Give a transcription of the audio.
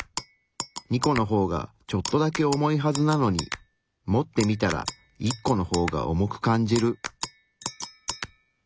２個の方がちょっとだけ重いはずなのに持ってみたら１個の方が重く感じる。